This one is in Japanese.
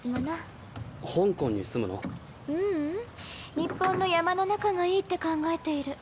ニッポンの山の中がいいって考えている。